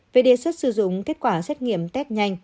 về đề xuất sử dụng kết quả xét nghiệm test nhanh